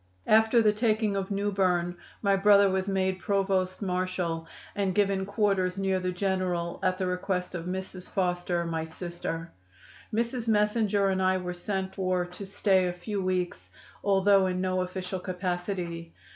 After the taking of New Berne my brother was made Provost Marshal and given quarters near the general at the request of Mrs. Foster, my sister. Mrs. Messinger and I were sent for to stay a few weeks, although in no official capacity.